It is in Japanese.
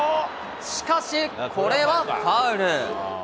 しかしこれはファウル。